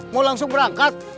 mau langsung berangkat